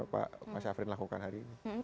pak mas syafrin lakukan hari ini